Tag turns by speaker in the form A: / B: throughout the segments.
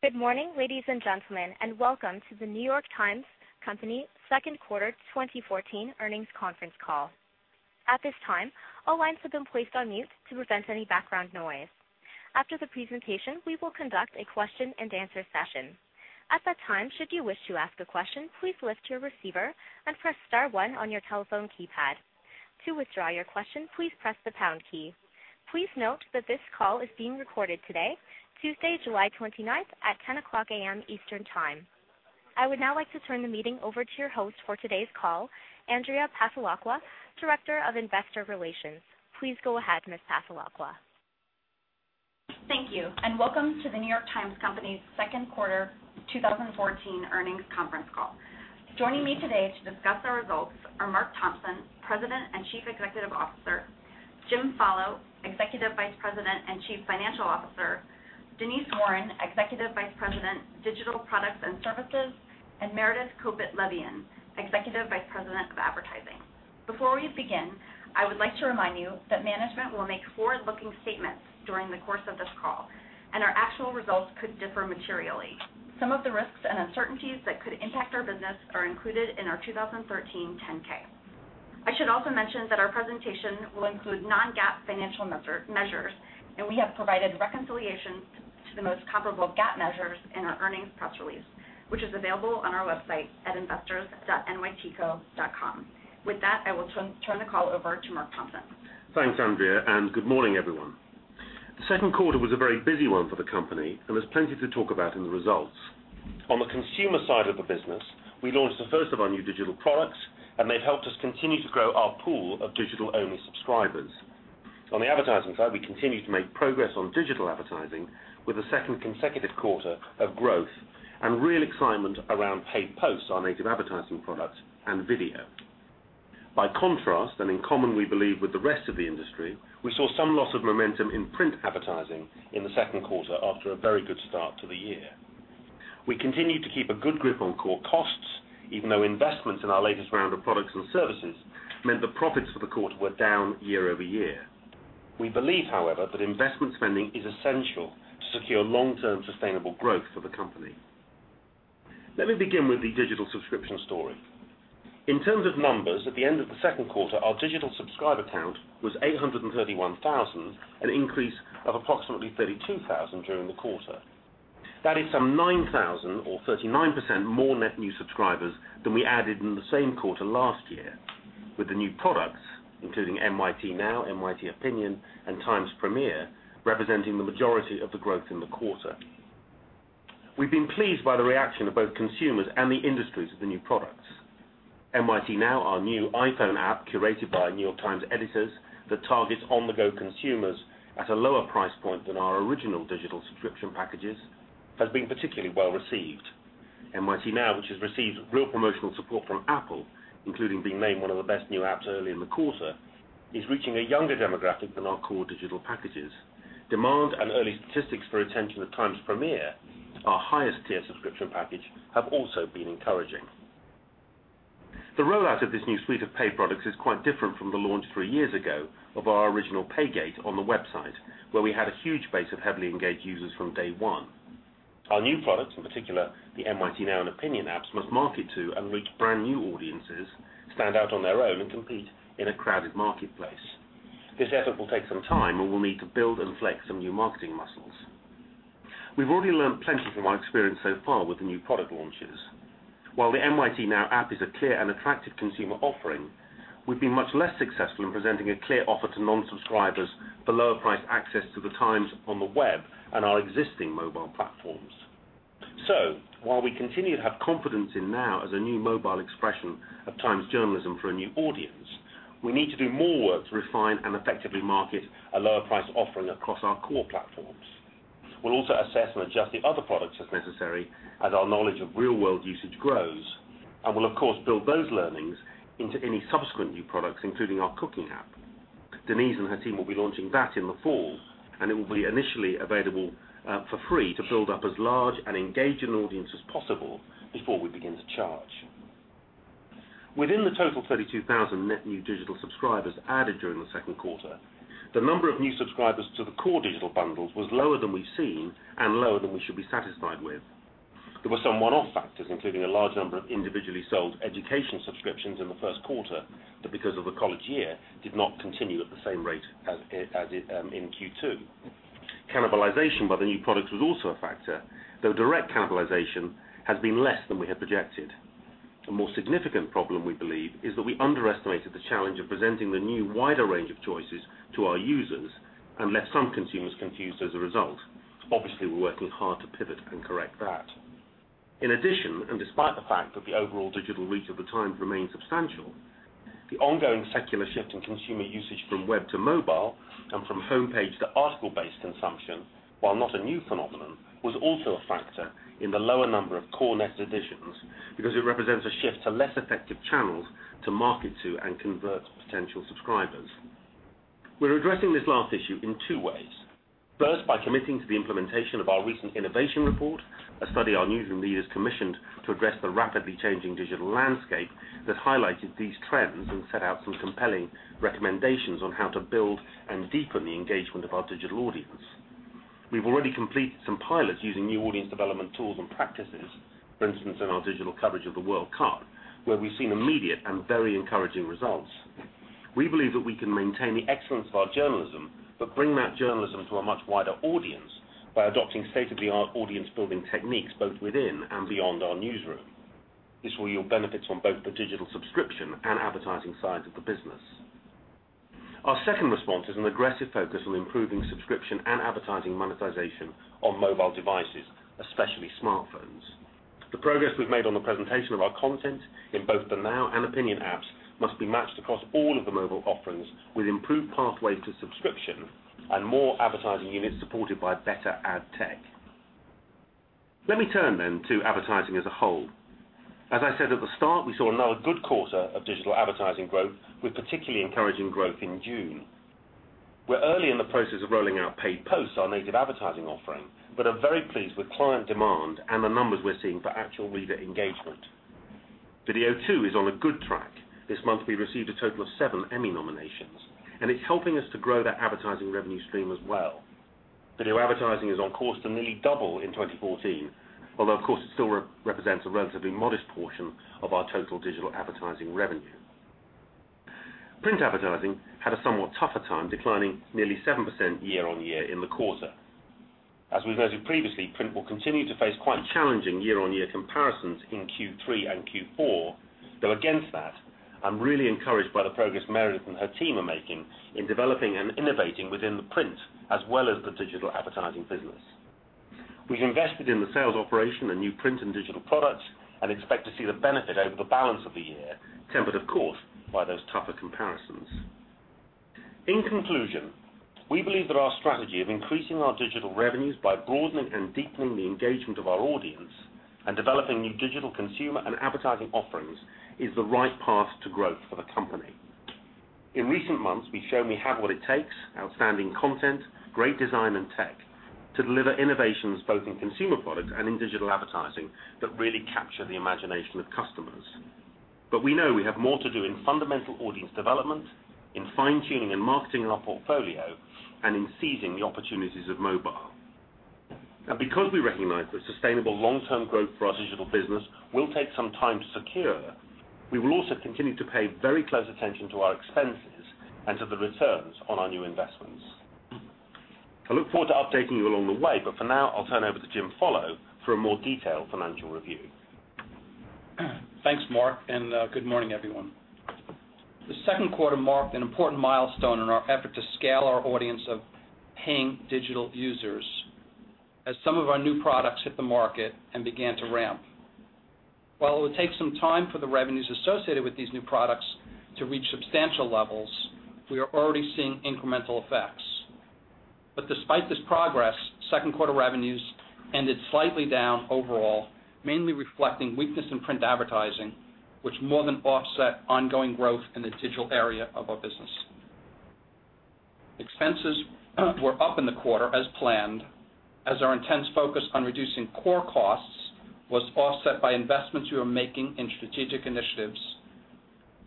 A: Good morning, ladies and gentlemen, and welcome to The New York Times Company Second Quarter 2014 Earnings Conference Call. At this time, all lines have been placed on mute to prevent any background noise. After the presentation, we will conduct a question-and-answer session. At that time, should you wish to ask a question, please lift your receiver and press star one on your telephone keypad. To withdraw your question, please press the pound key. Please note that this call is being recorded today, Tuesday, July 29th at 10:00 A.M. Eastern Time. I would now like to turn the meeting over to your host for today's call, Andrea Passalacqua, Director of Investor Relations. Please go ahead, Ms. Passalacqua.
B: Thank you, and welcome to The New York Times Company's Second Quarter 2014 Earnings Conference Call. Joining me today to discuss our results are Mark Thompson, President and Chief Executive Officer, James M. Follo, Executive Vice President and Chief Financial Officer, Denise Warren, Executive Vice President, Digital Products and Services, and Meredith Kopit Levien, Executive Vice President of Advertising. Before we begin, I would like to remind you that management will make forward-looking statements during the course of this call, and our actual results could differ materially. Some of the risks and uncertainties that could impact our business are included in our 2013 10-K. I should also mention that our presentation will include non-GAAP financial measures, and we have provided reconciliations to the most comparable GAAP measures in our earnings press release, which is available on our website at investors.nytco.com. With that, I will turn the call over to Mark Thompson.
C: Thanks, Andrea, and good morning, everyone. The second quarter was a very busy one for the company and there's plenty to talk about in the results. On the consumer side of the business, we launched the first of our new digital products, and they've helped us continue to grow our pool of digital-only subscribers. On the advertising side, we continue to make progress on digital advertising with a second consecutive quarter of growth and real excitement around Paid Posts, our native advertising products, and video. By contrast, and in common, we believe, with the rest of the industry, we saw some loss of momentum in print advertising in the second quarter after a very good start to the year. We continued to keep a good grip on core costs, even though investments in our latest round of products and services meant the profits for the quarter were down year-over-year. We believe, however, that investment spending is essential to secure long-term sustainable growth for the company. Let me begin with the digital subscription story. In terms of numbers, at the end of the second quarter, our digital subscriber count was 831,000, an increase of approximately 32,000 during the quarter. That is some 9,000 or 39% more net new subscribers than we added in the same quarter last year with the new products, including NYT Now, NYT Opinion, and Times Premier, representing the majority of the growth in the quarter. We've been pleased by the reaction of both consumers and the industry to the new products. NYT Now, our new iPhone app curated by The New York Times editors that targets on-the-go consumers at a lower price point than our original digital subscription packages, has been particularly well received. NYT Now, which has received real promotional support from Apple, including being named one of the best new apps early in the quarter, is reaching a younger demographic than our core digital packages. Demand and early statistics for retention of Times Premier, our highest tier subscription package, have also been encouraging. The rollout of this new suite of paid products is quite different from the launch three years ago of our original paywall on the website, where we had a huge base of heavily engaged users from day one. Our new products, in particular, the NYT Now and Opinion apps, must market to and reach brand-new audiences, stand out on their own, and compete in a crowded marketplace. This effort will take some time, and we'll need to build and flex some new marketing muscles. We've already learned plenty from our experience so far with the new product launches. While the NYT Now app is a clear and attractive consumer offering, we've been much less successful in presenting a clear offer to non-subscribers for lower priced access to The Times on the web and our existing mobile platforms. While we continue to have confidence in Now as a new mobile expression of Times journalism for a new audience, we need to do more work to refine and effectively market a lower price offering across our core platforms. We'll also assess and adjust the other products as necessary as our knowledge of real-world usage grows, and we'll of course build those learnings into any subsequent new products, including our cooking app. Denise and her team will be launching that in the fall, and it will be initially available for free to build up as large an engaging audience as possible before we begin to charge. Within the total 32,000 net new digital subscribers added during the second quarter, the number of new subscribers to the core digital bundles was lower than we've seen and lower than we should be satisfied with. There were some one-off factors, including a large number of individually sold education subscriptions in the first quarter that, because of the college year, did not continue at the same rate as in Q2. Cannibalization by the new products was also a factor, though direct cannibalization has been less than we had projected. The more significant problem, we believe, is that we underestimated the challenge of presenting the new wider range of choices to our users and left some consumers confused as a result. Obviously, we're working hard to pivot and correct that. In addition, despite the fact that the overall digital reach of The Times remains substantial, the ongoing secular shift in consumer usage from web to mobile and from home page to article-based consumption, while not a new phenomenon, was also a factor in the lower number of core net additions because it represents a shift to less effective channels to market to and convert potential subscribers. We're addressing this last issue in two ways. First, by committing to the implementation of our recent innovation report, a study our newsroom leaders commissioned to address the rapidly changing digital landscape that highlighted these trends and set out some compelling recommendations on how to build and deepen the engagement of our digital audience. We've already completed some pilots using new audience development tools and practices, for instance, in our digital coverage of the World Cup, where we've seen immediate and very encouraging results. We believe that we can maintain the excellence of our journalism, but bring that journalism to a much wider audience by adopting state-of-the-art audience building techniques both within and beyond our newsroom. This will yield benefits on both the digital subscription and advertising sides of the business. Our second response is an aggressive focus on improving subscription and advertising monetization on mobile devices, especially smartphones. The progress we've made on the presentation of our content in both the NYT Now and NYT Opinion apps must be matched across all of the mobile offerings with improved pathways to subscription and more advertising units supported by better ad tech. Let me turn then to advertising as a whole. As I said at the start, we saw another good quarter of digital advertising growth with particularly encouraging growth in June. We're early in the process of rolling out Paid Posts, our native advertising offering, but are very pleased with client demand and the numbers we're seeing for actual reader engagement. Video too is on a good track. This month, we received a total of seven Emmy nominations, and it's helping us to grow that advertising revenue stream as well. Video advertising is on course to nearly double in 2014, although, of course, it still represents a relatively modest portion of our total digital advertising revenue. Print advertising had a somewhat tougher time, declining nearly 7% year-on-year in the quarter. As we've noted previously, print will continue to face quite challenging year-on-year comparisons in Q3 and Q4, though against that, I'm really encouraged by the progress Meredith and her team are making in developing and innovating within the print as well as the digital advertising business. We've invested in the sales operation and new print and digital products and expect to see the benefit over the balance of the year, tempered, of course, by those tougher comparisons. In conclusion, we believe that our strategy of increasing our digital revenues by broadening and deepening the engagement of our audience and developing new digital consumer and advertising offerings is the right path to growth for the company. In recent months, we've shown we have what it takes, outstanding content, great design, and tech to deliver innovations both in consumer products and in digital advertising that really capture the imagination of customers. We know we have more to do in fundamental audience development, in fine-tuning and marketing our portfolio, and in seizing the opportunities of mobile. Now because we recognize that sustainable long-term growth for our digital business will take some time to secure, we will also continue to pay very close attention to our expenses and to the returns on our new investments. I look forward to updating you along the way, but for now, I'll turn over to James M. Follo for a more detailed financial review.
D: Thanks, Mark, and good morning, everyone. The second quarter marked an important milestone in our effort to scale our audience of paying digital users as some of our new products hit the market and began to ramp. While it will take some time for the revenues associated with these new products to reach substantial levels, we are already seeing incremental effects. Despite this progress, second-quarter revenues ended slightly down overall, mainly reflecting weakness in print advertising, which more than offset ongoing growth in the digital area of our business. Expenses were up in the quarter as planned, as our intense focus on reducing core costs was offset by investments we are making in strategic initiatives,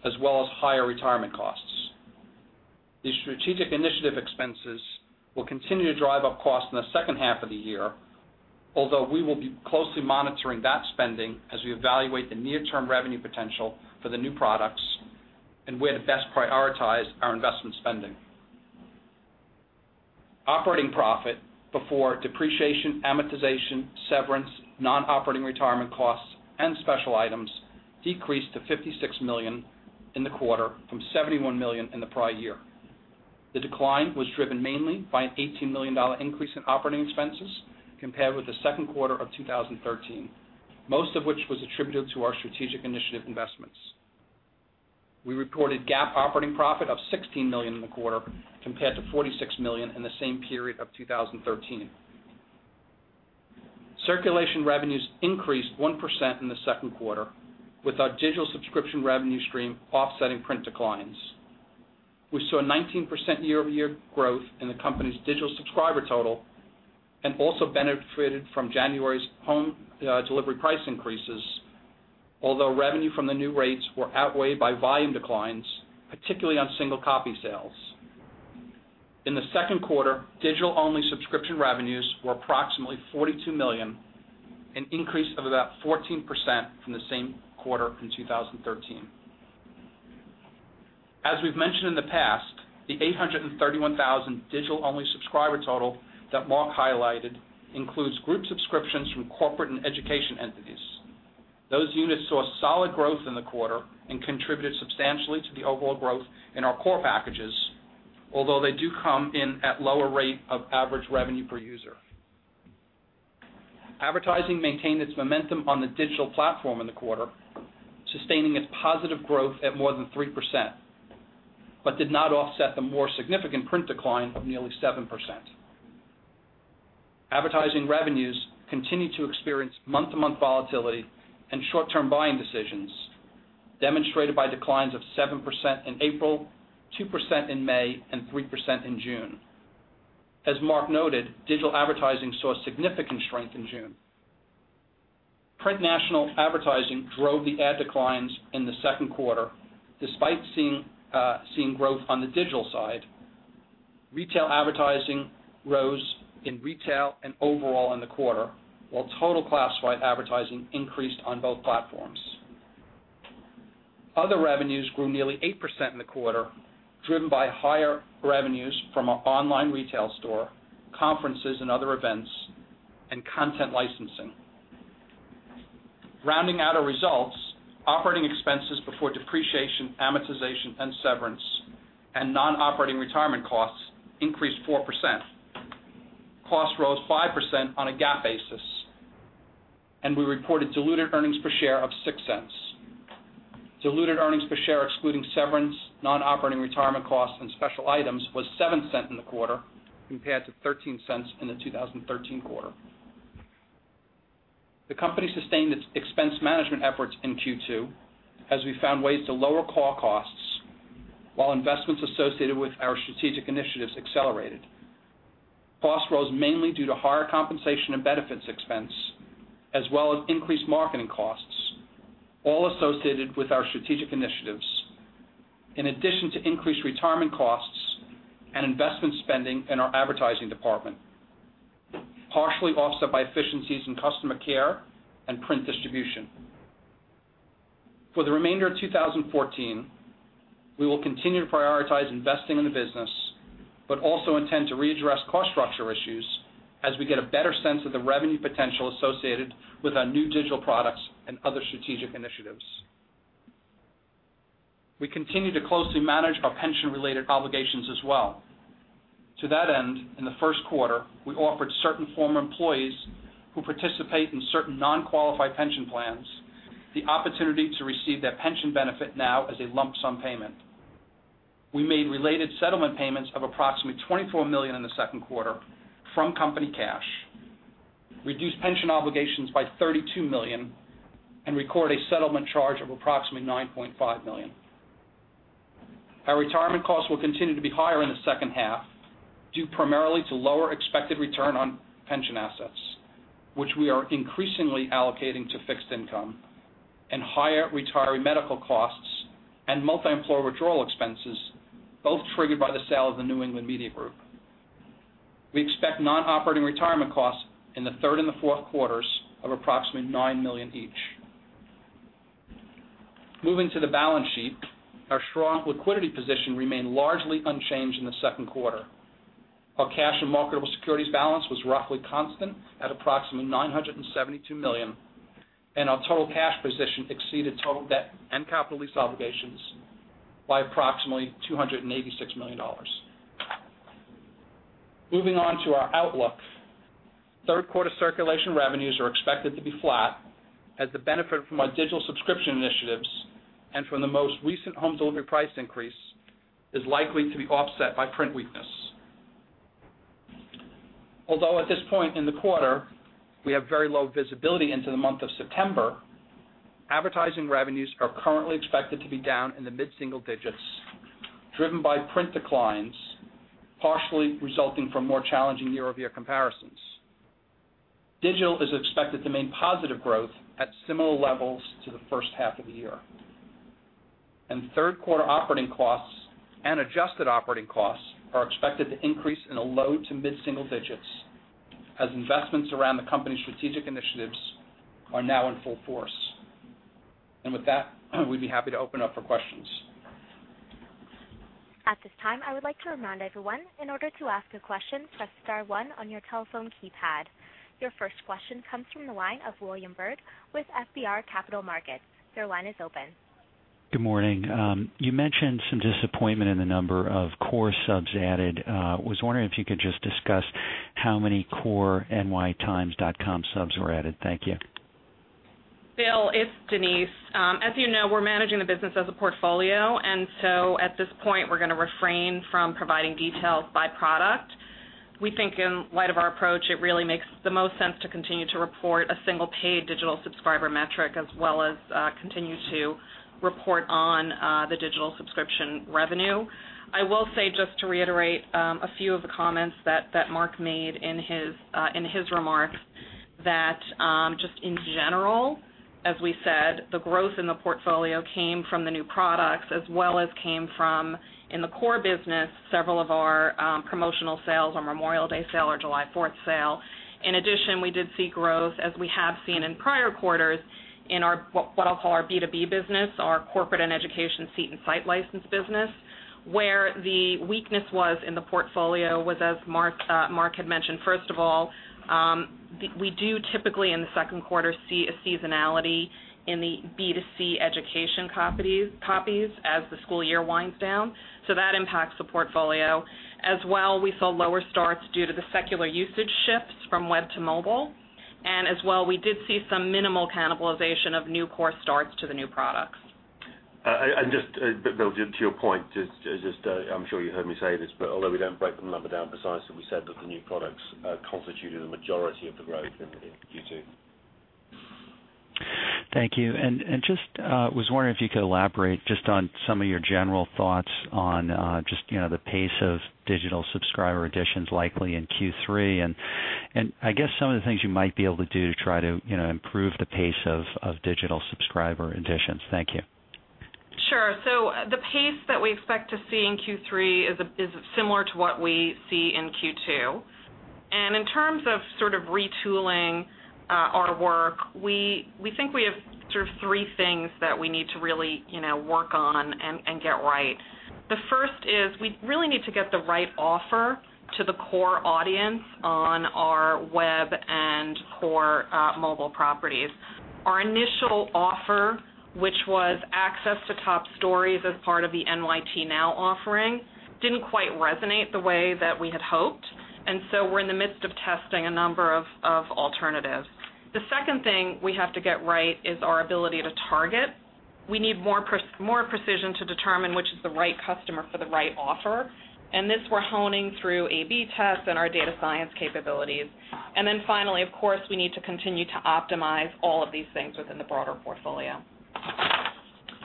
D: as well as higher retirement costs. These strategic initiative expenses will continue to drive up costs in the second half of the year, although we will be closely monitoring that spending as we evaluate the near-term revenue potential for the new products and where to best prioritize our investment spending. Operating profit before depreciation, amortization, severance, non-operating retirement costs, and special items decreased to $56 million in the quarter from $71 million in the prior year. The decline was driven mainly by an $18 million increase in operating expenses compared with the second quarter of 2013, most of which was attributed to our strategic initiative investments. We reported GAAP operating profit of $16 million in the quarter, compared to $46 million in the same period of 2013. Circulation revenues increased 1% in the second quarter, with our digital subscription revenue stream offsetting print declines. We saw a 19% year-over-year growth in the company's digital subscriber total and also benefited from January's home delivery price increases, although revenue from the new rates were outweighed by volume declines, particularly on single copy sales. In the second quarter, digital-only subscription revenues were approximately $42 million, an increase of about 14% from the same quarter in 2013. As we've mentioned in the past, the 831,000 digital-only subscriber total that Mark highlighted includes group subscriptions from corporate and education entities. Those units saw solid growth in the quarter and contributed substantially to the overall growth in our core packages, although they do come in at lower rate of average revenue per user. Advertising maintained its momentum on the digital platform in the quarter, sustaining its positive growth at more than 3%, but did not offset the more significant print decline of nearly 7%. Advertising revenues continued to experience month-to-month volatility and short-term buying decisions, demonstrated by declines of 7% in April, 2% in May, and 3% in June. As Mark noted, digital advertising saw significant strength in June. Print national advertising drove the ad declines in the second quarter, despite seeing growth on the digital side. Retail advertising rose in retail and overall in the quarter, while total classified advertising increased on both platforms. Other revenues grew nearly 8% in the quarter, driven by higher revenues from our online retail store, conferences and other events, and content licensing. Rounding out our results, operating expenses before depreciation, amortization, and severance, and non-operating retirement costs increased 4%. Costs rose 5% on a GAAP basis, and we reported diluted earnings per share of $0.06. Diluted earnings per share excluding severance, non-operating retirement costs, and special items was $0.07 in the quarter compared to $0.13 in the 2013 quarter. The company sustained its expense management efforts in Q2 as we found ways to lower core costs while investments associated with our strategic initiatives accelerated. Costs rose mainly due to higher compensation and benefits expense, as well as increased marketing costs, all associated with our strategic initiatives, in addition to increased retirement costs and investment spending in our advertising department, partially offset by efficiencies in customer care and print distribution. For the remainder of 2014, we will continue to prioritize investing in the business, but also intend to readdress cost structure issues as we get a better sense of the revenue potential associated with our new digital products and other strategic initiatives. We continue to closely manage our pension-related obligations as well. To that end, in the first quarter, we offered certain former employees who participate in certain non-qualified pension plans the opportunity to receive their pension benefit now as a lump sum payment. We made related settlement payments of approximately $24 million in the second quarter from company cash, reduced pension obligations by $32 million, and record a settlement charge of approximately $9.5 million. Our retirement costs will continue to be higher in the second half, due primarily to lower expected return on pension assets, which we are increasingly allocating to fixed income, and higher retiree medical costs and multi-employer withdrawal expenses, both triggered by the sale of the New England Media Group. We expect non-operating retirement costs in the third and the fourth quarters of approximately $9 million each. Moving to the balance sheet, our strong liquidity position remained largely unchanged in the second quarter. Our cash and marketable securities balance was roughly constant at approximately $972 million, and our total cash position exceeded total debt and capital lease obligations by approximately $286 million. Moving on to our outlook. Third quarter circulation revenues are expected to be flat as the benefit from our digital subscription initiatives and from the most recent home delivery price increase is likely to be offset by print weakness. Although at this point in the quarter, we have very low visibility into the month of September, advertising revenues are currently expected to be down in the mid-single digits%, driven by print declines, partially resulting from more challenging year-over-year comparisons. Digital is expected to remain positive growth at similar levels to the first half of the year. Third quarter operating costs and adjusted operating costs are expected to increase in the low- to mid-single digits as investments around the company's strategic initiatives are now in full force. With that, we'd be happy to open up for questions.
A: At this time, I would like to remind everyone, in order to ask a question, press star one on your telephone keypad. Your first question comes from the line of William Bird with FBR Capital Markets. Your line is open.
E: Good morning. You mentioned some disappointment in the number of core subs added. Was wondering if you could just discuss how many core nytimes.com subs were added? Thank you.
F: William, it's Denise. As you know, we're managing the business as a portfolio, and at this point, we're going to refrain from providing details by product. We think in light of our approach, it really makes the most sense to continue to report a single paid digital subscriber metric, as well as continue to report on the digital subscription revenue. I will say, just to reiterate a few of the comments that Mark made in his remarks, that just in general, as we said, the growth in the portfolio came from the new products as well as, in the core business, several of our promotional sales, our Memorial Day sale, our July 4th sale. In addition, we did see growth as we have seen in prior quarters in what I'll call our B2B business, our corporate and education seat and site license business. Where the weakness was in the portfolio was, as Mark had mentioned, first of all, we do typically in the second quarter see a seasonality in the B2C education copies as the school year winds down, so that impacts the portfolio. As well, we saw lower starts due to the secular usage shifts from web to mobile. As well, we did see some minimal cannibalization of new core starts to the new products.
C: Just, William, to your point, I'm sure you heard me say this, but although we don't break the number down precisely, we said that the new products constituted the majority of the growth in Q2.
E: Thank you. I was just wondering if you could elaborate just on some of your general thoughts on just the pace of digital subscriber additions likely in Q3, and I guess some of the things you might be able to do to try to improve the pace of digital subscriber additions. Thank you.
F: Sure. The pace that we expect to see in Q3 is similar to what we see in Q2. In terms of sort of retooling our work, we think we have sort of three things that we need to really work on and get right. The first is we really need to get the right offer to the core audience on our web and core mobile properties. Our initial offer, which was access to top stories as part of the NYT Now offering, didn't quite resonate the way that we had hoped, and so we're in the midst of testing a number of alternatives. The second thing we have to get right is our ability to target. We need more precision to determine which is the right customer for the right offer, and this we're honing through A/B tests and our data science capabilities. Finally, of course, we need to continue to optimize all of these things within the broader portfolio.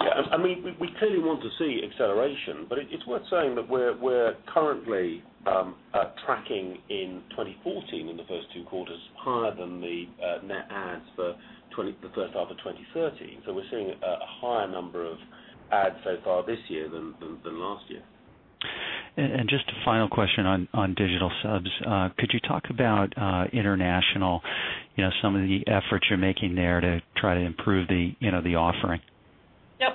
C: Yeah, we clearly want to see acceleration, but it's worth saying that we're currently tracking in 2014 in the first two quarters higher than the net adds for the first half of 2013. We're seeing a higher number of adds so far this year than last year.
E: Just a final question on digital subs. Could you talk about international, some of the efforts you're making there to try to improve the offering?
F: Yep.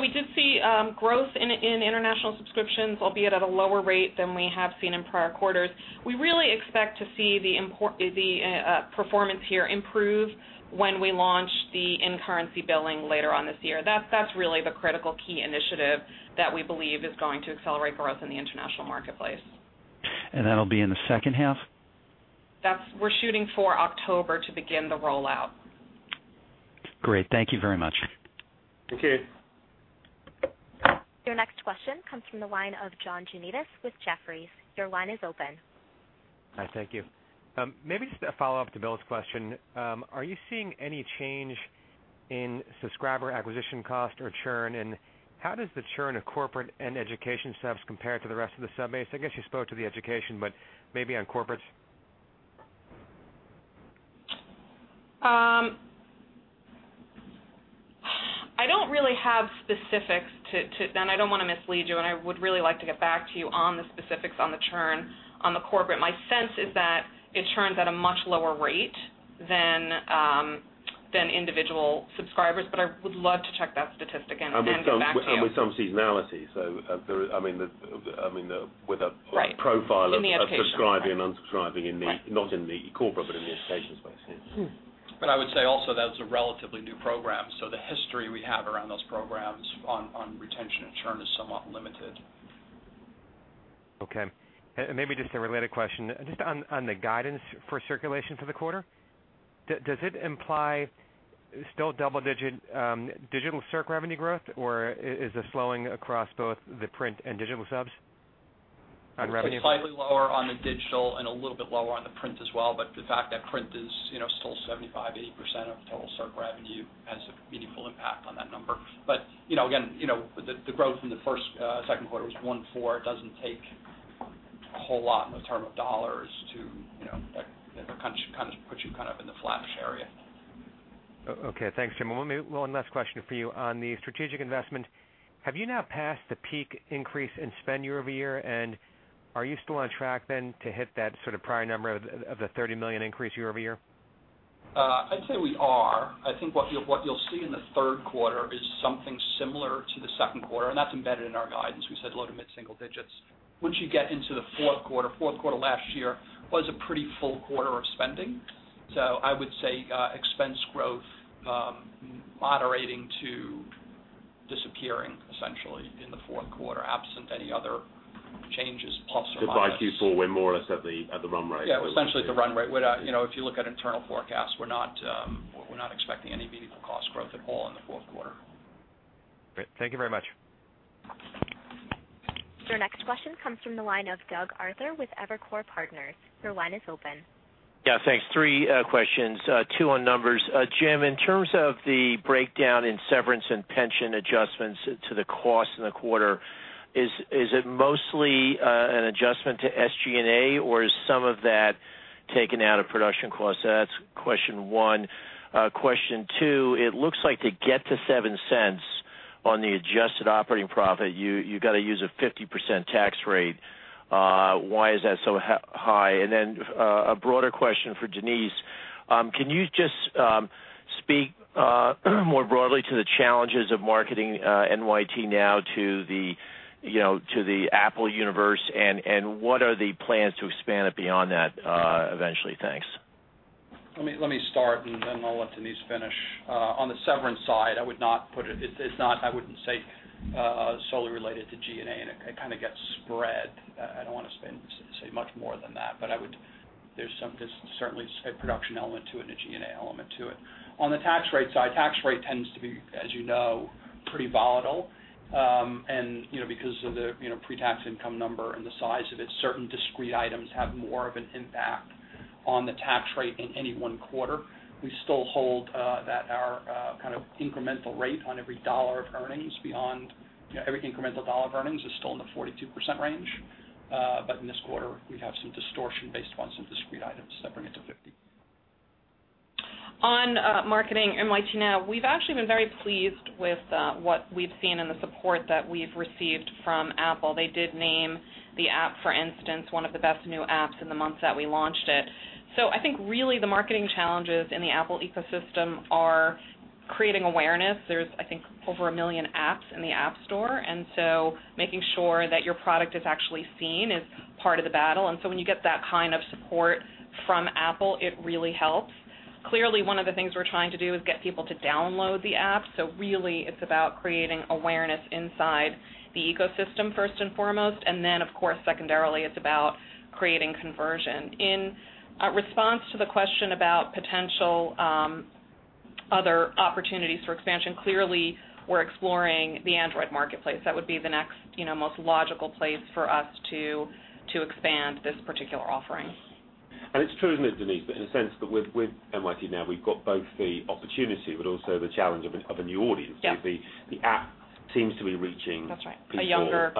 F: We did see growth in international subscriptions, albeit at a lower rate than we have seen in prior quarters. We really expect to see the performance here improve when we launch the in-currency billing later on this year. That's really the critical key initiative that we believe is going to accelerate growth in the international marketplace.
E: That'll be in the second half?
F: We're shooting for October to begin the rollout.
E: Great. Thank you very much.
C: Thank you.
A: Your next question comes from the line of John Janedis with Jefferies. Your line is open.
G: Hi, thank you. Maybe just a follow-up to Bill's question. Are you seeing any change in subscriber acquisition cost or churn? And how does the churn of corporate and education subs compare to the rest of the sub base? I guess you spoke to the education, but maybe on corporate?
F: I don't really have specifics and I don't want to mislead you, and I would really like to get back to you on the specifics on the churn on the corporate. My sense is that it churns at a much lower rate than individual subscribers, but I would love to check that statistic and get back to you.
C: With some seasonality. With a-
F: Right...
C: profile of-
F: In the education
C: Subscribing, unsubscribing not in the corporate but in the education space. Yeah.
D: I would say also that it's a relatively new program, so the history we have around those programs on retention and churn is somewhat limited.
G: Okay. Maybe just a related question, just on the guidance for circulation for the quarter. Does it imply still double-digit digital circ revenue growth, or is it slowing across both the print and digital subs on revenue growth?
D: Slightly lower on the digital and a little bit lower on the print as well. The fact that print is still 75%-80% of total circ revenue has a meaningful impact on that number. Again, the growth from the first to second quarter was 1.4%. It doesn't take a whole lot in terms of dollars to kind of put you kind of in the flattish area.
G: Okay. Thanks, James. One last question for you. On the strategic investment, have you now passed the peak increase in spend year-over-year? Are you still on track then to hit that sort of prior number of the $30 million increase year-over-year?
D: I'd say we are. I think what you'll see in the third quarter is something similar to the second quarter, and that's embedded in our guidance. We said low to mid single digits. Once you get into the fourth quarter, fourth quarter last year was a pretty full quarter of spending. I would say expense growth moderating to disappearing, essentially, in the fourth quarter, absent any other changes, plus or minus.
C: Goodbye Q4, we're more or less at the run rate.
D: Yeah, essentially at the run rate. If you look at internal forecasts, we're not expecting any meaningful cost growth at all in the fourth quarter.
G: Great. Thank you very much.
A: Your next question comes from the line of Douglas Arthur with Evercore Partners. Your line is open.
H: Yeah, thanks. Three questions, two on numbers. James, in terms of the breakdown in severance and pension adjustments to the cost in the quarter, is it mostly an adjustment to SG&A, or is some of that taken out of production costs? That's question one. Question two, it looks like to get to $0.07 on the adjusted operating profit, you got to use a 50% tax rate. Why is that so high? A broader question for Denise. Can you just speak more broadly to the challenges of marketing NYT Now to the Apple universe, and what are the plans to expand it beyond that eventually? Thanks.
D: Let me start, and then I'll let Denise finish. On the severance side, I wouldn't say solely related to G&A, and it kind of gets spread. I don't want to say much more than that, but there's certainly a production element to it and a G&A element to it. On the tax rate side, tax rate tends to be, as you know, pretty volatile. Because of the pre-tax income number and the size of it, certain discrete items have more of an impact on the tax rate in any one quarter. We still hold that our incremental rate on every dollar of earnings beyond every incremental dollar of earnings is still in the 42% range. In this quarter, we have some distortion based on some discrete items that bring it to 50%.
F: On marketing NYT Now, we've actually been very pleased with what we've seen and the support that we've received from Apple. They did name the app, for instance, one of the best new apps in the month that we launched it. I think really the marketing challenges in the Apple ecosystem are creating awareness. There's, I think, over one million apps in the App Store, and so making sure that your product is actually seen is part of the battle. When you get that kind of support from Apple, it really helps. Clearly, one of the things we're trying to do is get people to download the app. Really, it's about creating awareness inside the ecosystem, first and foremost. Of course, secondarily, it's about creating conversion in response to the question about potential other opportunities for expansion. Clearly, we're exploring the Android marketplace. That would be the next most logical place for us to expand this particular offering.
C: It's true, isn't it, Denise, that in a sense that with NYT Now we've got both the opportunity but also the challenge of a new audience.
F: Yeah.
C: The app seems to be reaching.
F: That's right.
C: Younger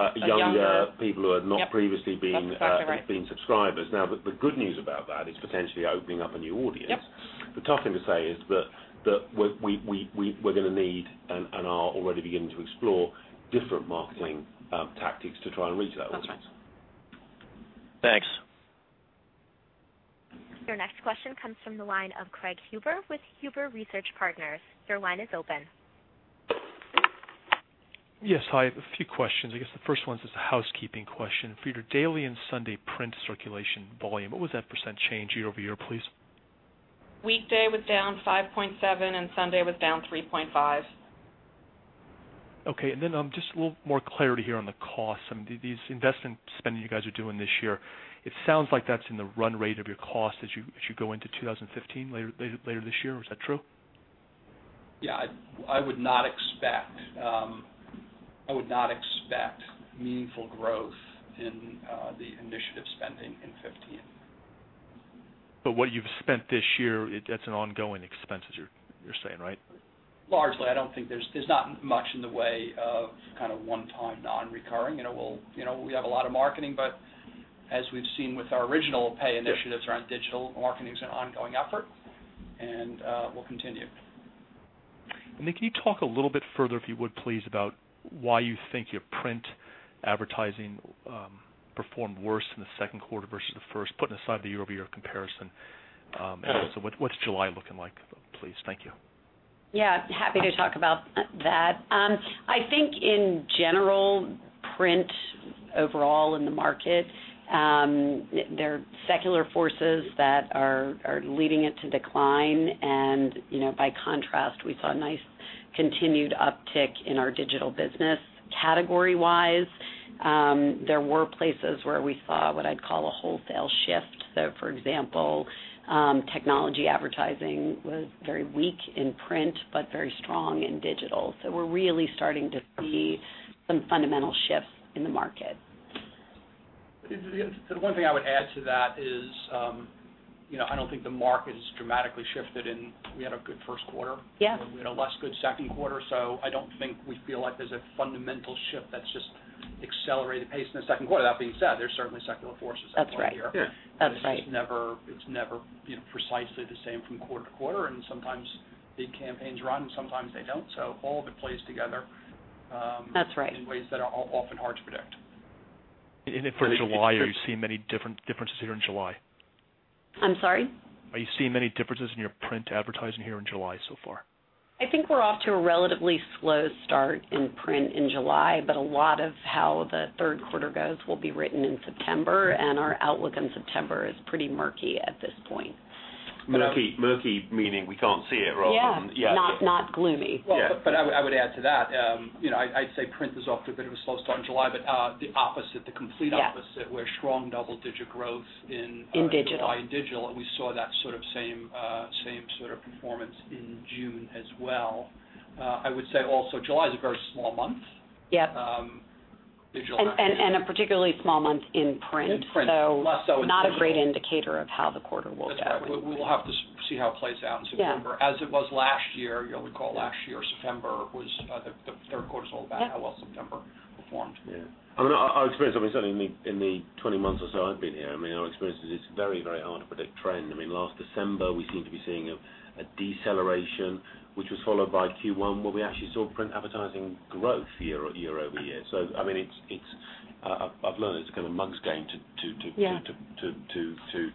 C: people who have not previously been.
F: That's exactly right....
C: been subscribers. Now, the good news about that is potentially opening up a new audience.
F: Yep.
C: The tough thing to say is that we're going to need, and are already beginning to explore different marketing tactics to try and reach that audience.
F: That's right.
H: Thanks.
A: Your next question comes from the line of Craig Huber with Huber Research Partners. Your line is open.
I: Yes. Hi, I have a few questions. I guess the first one is just a housekeeping question. For your daily and Sunday print circulation volume, what was that % change year-over-year, please?
F: Weekday was down 5.7% and Sunday was down 3.5%.
I: Okay. Just a little more clarity here on the cost. These investment spending you guys are doing this year, it sounds like that's in the run rate of your cost as you go into 2015, later this year. Is that true?
D: Yeah. I would not expect meaningful growth in the initiative spending in 2015.
I: What you've spent this year, that's an ongoing expense, you're saying, right?
D: Largely. There's not much in the way of one-time non-recurring. We have a lot of marketing, but as we've seen with our original pay initiatives around digital, marketing is an ongoing effort, and will continue.
I: Can you talk a little bit further, if you would, please, about why you think your print advertising performed worse in the second quarter versus the first, putting aside the year-over-year comparison. Also, what's July looking like, please? Thank you.
J: Yeah. Happy to talk about that. I think in general, print overall in the market, there are secular forces that are leading it to decline. By contrast, we saw a nice continued uptick in our digital business. Category-wise, there were places where we saw what I'd call a wholesale shift. For example, technology advertising was very weak in print, but very strong in digital. We're really starting to see some fundamental shifts in the market.
D: The one thing I would add to that is I don't think the market has dramatically shifted, and we had a good first quarter.
J: Yeah.
D: We had a less good second quarter. I don't think we feel like there's a fundamental shift that's just accelerated the pace in the second quarter. That being said, there's certainly secular forces at play here.
J: That's right.
D: It's never precisely the same from quarter to quarter, and sometimes big campaigns run, sometimes they don't. All of it plays together.
J: That's right.
D: in ways that are often hard to predict.
I: For July, are you seeing many differences here in July?
J: I'm sorry?
I: Are you seeing many differences in your print advertising here in July so far?
J: I think we're off to a relatively slow start in print in July, but a lot of how the third quarter goes will be written in September, and our outlook in September is pretty murky at this point.
C: Murky meaning we can't see it rather than.
J: Yeah. Not gloomy.
C: Yeah.
D: I would add to that. I'd say print is off to a bit of a slow start in July, but the opposite, the complete opposite.
J: Yeah
D: We're strong double-digit growth in-
J: In digital.
D: July in digital. We saw that same sort of performance in June as well. I would say also July is a very small month.
J: Yep.
D: Digital-
J: A particularly small month in print.
D: In print. Less so in digital.
J: Not a great indicator of how the quarter will go.
D: That's right. We will have to see how it plays out in September.
J: Yeah.
D: As it was last year. You'll recall last year, September was. The third quarter's all about how well September performed.
C: Yeah. Our experience, certainly in the 20 months or so I've been here, our experience is it's very hard to predict trend. Last December, we seemed to be seeing a deceleration, which was followed by Q1, where we actually saw print advertising growth year-over-year. I've learned it's a mug's game to-
J: Yeah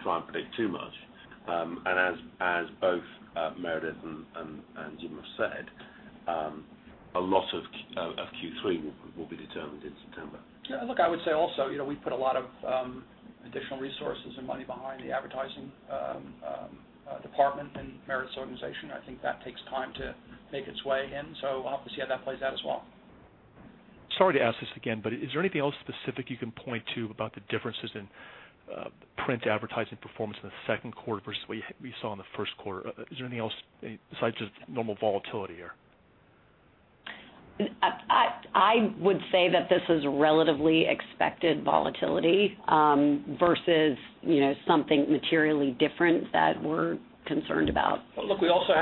C: Try and predict too much. As both Meredith and James have said, a lot of Q3 will be determined in September.
D: Yeah, look, I would say also, we put a lot of additional resources and money behind the advertising department and Meredith's organization. I think that takes time to make its way in. We'll have to see how that plays out as well.
I: Sorry to ask this again, but is there anything else specific you can point to about the differences in print advertising performance in the second quarter versus what we saw in the first quarter? Is there anything else besides just normal volatility here?
J: I would say that this is relatively expected volatility versus something materially different that we're concerned about.
D: Look, we said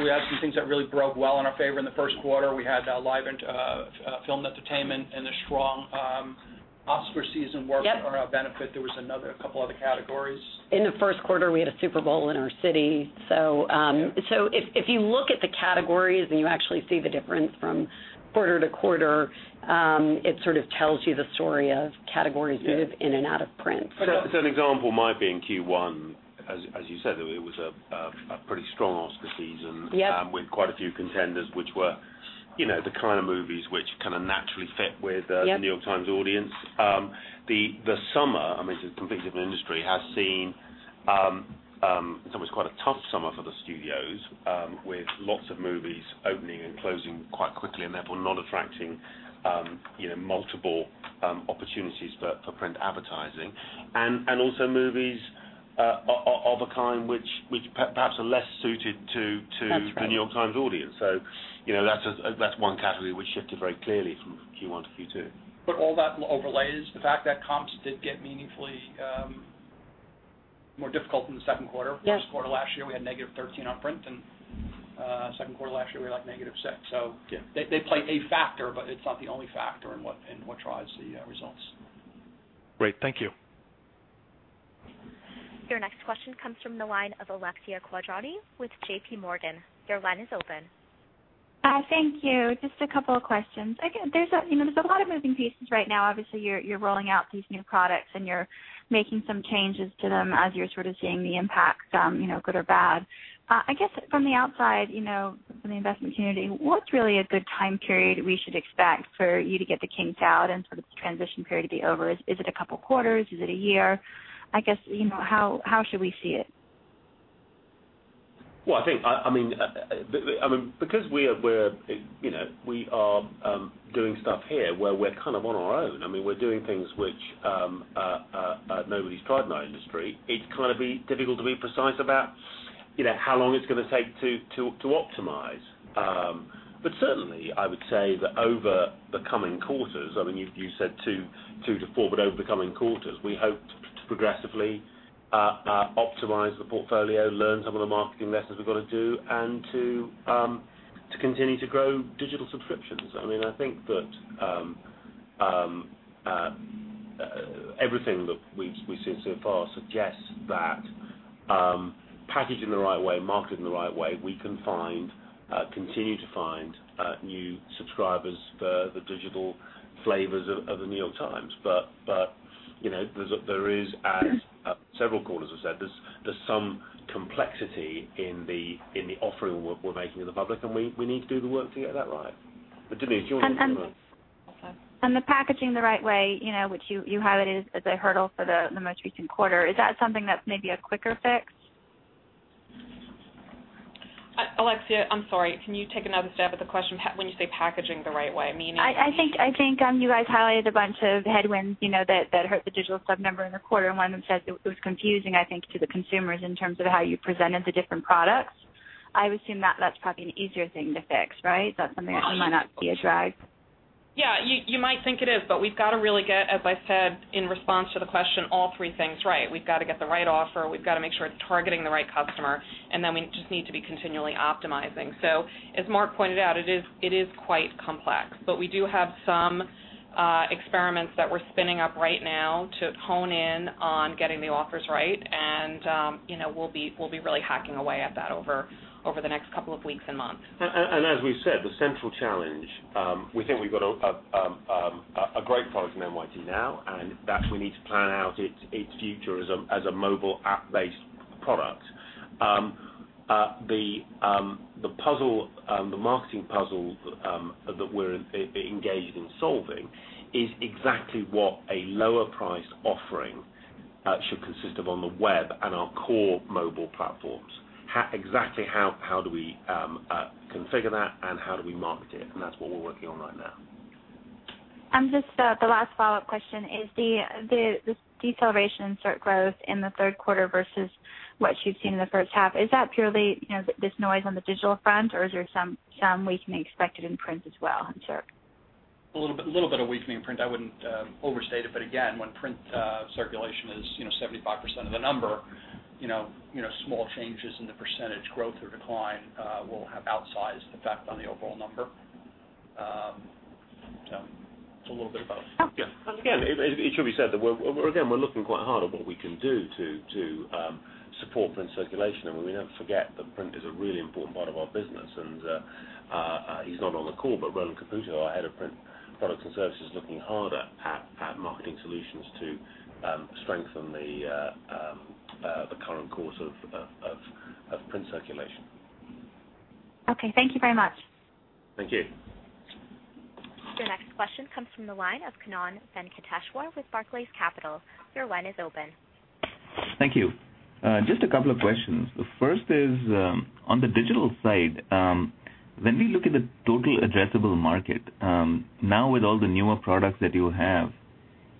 D: we had some things that really broke well in our favor in the first quarter. We had live film entertainment and a strong Oscar season.
J: Yep work for our benefit. There was another couple other categories. In the first quarter, we had a Super Bowl in our city.
D: Yeah.
J: If you look at the categories and you actually see the difference from quarter to quarter, it sort of tells you the story of categories.
D: Yeah
J: Move in and out of print.
C: As an example might be in Q1, as you said, it was a pretty strong Oscar season.
J: Yep
C: with quite a few contenders, which were the kind of movies which naturally fit with.
J: Yep...
C: The New York Times audience. The summer, I mean, it's a competitive industry, has seen. It's almost quite a tough summer for the studios, with lots of movies opening and closing quite quickly, and therefore not attracting multiple opportunities for print advertising. Also movies of a kind which perhaps are less suited to-
J: That's right....
C: The New York Times audience. That's one category which shifted very clearly from Q1 to Q2.
D: All that overlays the fact that comps did get meaningfully more difficult in the second quarter.
J: Yes.
D: First quarter last year, we had negative 13% on print, and second quarter last year, we were like negative 6%. They play a factor, but it's not the only factor in what drives the results.
I: Great. Thank you.
A: Your next question comes from the line of Alexia Quadrani with JPMorgan. Your line is open.
K: Thank you. Just a couple of questions. Again, there's a lot of moving parts right now. Obviously, you're rolling out these new products and you're making some changes to them as you're sort of seeing the impact, good or bad. I guess from the outside, from the investment community, what's really a good time period we should expect for you to get the kinks out and sort of transition period to be over? Is it a couple of quarters? Is it a year? I guess, how should we see it?
C: Well, I think, because we are doing stuff here where we're kind of on our own. I mean, we're doing things which nobody's tried in our industry. It's going to be difficult to be precise about how long it's going to take to optimize. Certainly, I would say that over the coming quarters, I mean, you said 2% to 4%, but over the coming quarters, we hope to progressively optimize the portfolio, learn some of the marketing lessons we've got to do, and to continue to grow digital subscriptions. I think that everything that we've seen so far suggests that packaging the right way, marketing the right way, we can continue to find new subscribers for the digital flavors of The New York Times. There is, as several callers have said, there's some complexity in the offering we're making to the public, and we need to do the work to get that right. Denise, do you want to?
K: The packaging the right way, which you highlighted as a hurdle for the most recent quarter, is that something that's maybe a quicker fix?
F: Alexia, I'm sorry. Can you take another stab at the question, when you say packaging the right way, meaning?
K: I think you guys highlighted a bunch of headwinds that hurt the digital sub number in the quarter, and one of them said it was confusing, I think, to the consumers in terms of how you presented the different products. I would assume that's probably an easier thing to fix, right? That's something that might not be a drag.
F: Yeah, you might think it is, but we've got to really get, as I said in response to the question, all three things right. We've got to get the right offer, we've got to make sure it's targeting the right customer, and then we just need to be continually optimizing. As Mark pointed out, it is quite complex. We do have some experiments that we're spinning up right now to hone in on getting the offers right, and we'll be really hacking away at that over the next couple of weeks and months.
C: As we said, the central challenge, we think we've got a great product in NYT Now, and that we need to plan out its future as a mobile app-based product. The marketing puzzle that we're engaged in solving is exactly what a lower price offering should consist of on the web and our core mobile platforms. Exactly how do we configure that and how do we market it, and that's what we're working on right now.
K: Just the last follow-up question. Is the deceleration in circ growth in the third quarter versus what you've seen in the first half purely this noise on the digital front or is there some weakening expected in print as well in circ?
D: A little bit of weakening in print. I wouldn't overstate it, but again, when print circulation is 75% of the number, small changes in the percentage growth or decline will have outsized effect on the overall number. It's a little bit of both.
C: Yeah. Again, it should be said that we're looking quite hard at what we can do to support print circulation, and we never forget that print is a really important part of our business. He's not on the call, but Roland Caputo, our Head of Print Products and Services, is looking hard at marketing solutions to strengthen the current core of print circulation.
K: Okay, thank you very much.
C: Thank you.
A: Your next question comes from the line of Kannan Venkateshwar with Barclays Capital. Your line is open.
L: Thank you. Just a couple of questions. The first is, on the digital side, when we look at the total addressable market, now with all the newer products that you have,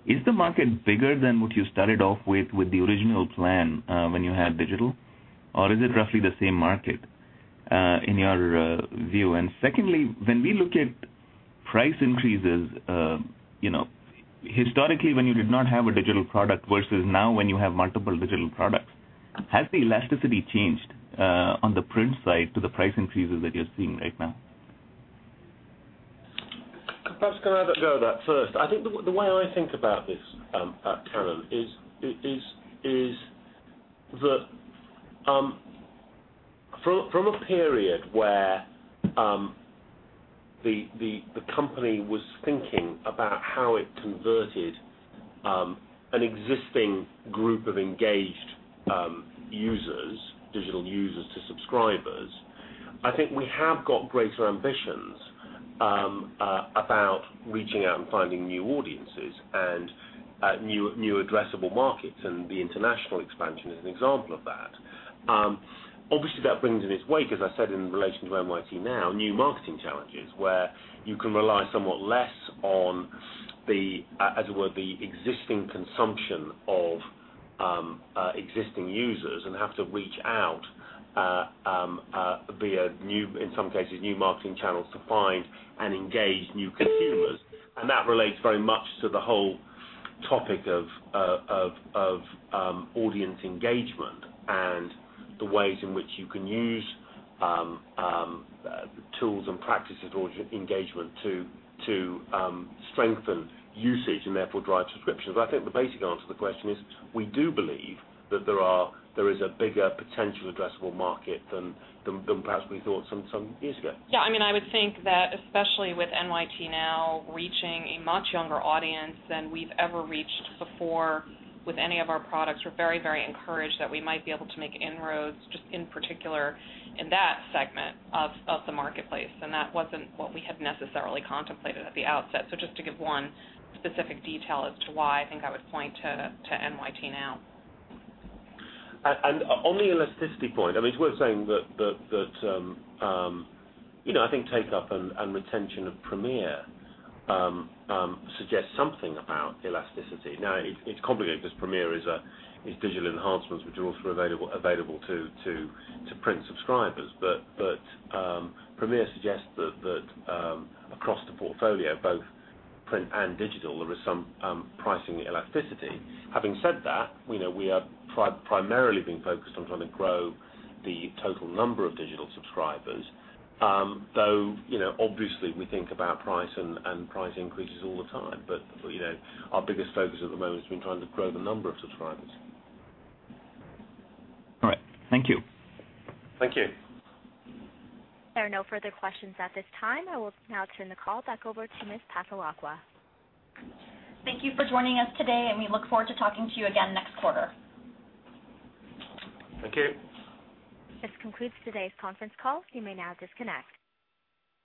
L: is the market bigger than what you started off with the original plan when you had digital? Or is it roughly the same market in your view? Secondly, when we look at price increases, historically when you did not have a digital product versus now when you have multiple digital products, has the elasticity changed on the print side to the price increases that you're seeing right now?
C: Perhaps can I have a go at that first. I think the way I think about this, Kannan, is that from a period where the company was thinking about how it converted an existing group of engaged users, digital users to subscribers, I think we have got greater ambitions about reaching out and finding new audiences and new addressable markets, and the international expansion is an example of that. Obviously that brings in its wake, as I said in relation to NYT Now, new marketing challenges where you can rely somewhat less on the, as it were, the existing consumption of existing users and have to reach out via new, in some cases, new marketing channels to find and engage new consumers. That relates very much to the whole topic of audience engagement and the ways in which you can use tools and practices or engagement to strengthen usage and therefore drive subscriptions. I think the basic answer to the question is we do believe that there is a bigger potential addressable market than perhaps we thought some years ago.
F: Yeah. I would think that especially with NYT Now reaching a much younger audience than we've ever reached before with any of our products. We're very encouraged that we might be able to make inroads just in particular in that segment of the marketplace, and that wasn't what we had necessarily contemplated at the outset. Just to give one specific detail as to why I think I would point to NYT Now.
C: On the elasticity point, it's worth saying that I think take-up and retention of Premier suggests something about elasticity. Now, it's complicated because Premier is digital enhancements, which are also available to print subscribers. Premier suggests that across the portfolio, both print and digital, there is some pricing elasticity. Having said that, we have primarily been focused on trying to grow the total number of digital subscribers. Though, obviously, we think about price and price increases all the time. Our biggest focus at the moment has been trying to grow the number of subscribers.
L: All right. Thank you.
C: Thank you.
A: There are no further questions at this time. I will now turn the call back over to Ms. Passalacqua.
B: Thank you for joining us today, and we look forward to talking to you again next quarter.
C: Thank you.
A: This concludes today's conference call. You may now disconnect.